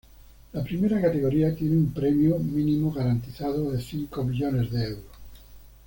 La primera categoría tienen un premio "mínimo garantizado" de cinco millones de euros.